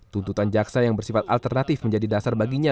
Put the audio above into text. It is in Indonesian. tuntutan jaksa yang bersifat alternatif menjadi dasar baginya